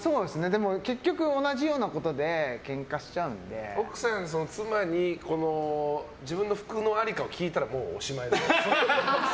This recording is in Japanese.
でも結局、同じようなことで妻に自分の服の在りかを聞いたら、もうおしまいです。